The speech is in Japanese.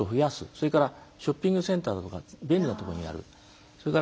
それからショッピングセンターや便利なところにやる。